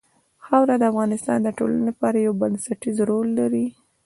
خاوره د افغانستان د ټولنې لپاره یو بنسټيز رول لري.